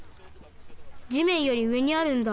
じめんよりうえにあるんだ。